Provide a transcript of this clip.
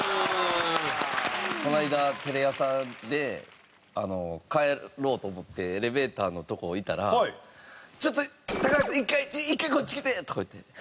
この間テレ朝で帰ろうと思ってエレベーターのとこいたら「ちょっと高橋さん一回一回こっち来て」とか言って。